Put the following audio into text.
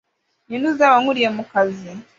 Ni nde uzaba ankuriye mu kazi